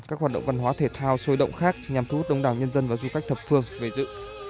các hoạt động văn hóa thể thao sôi động khác nhằm thu hút đông đảo nhân dân và du khách thập phương về dự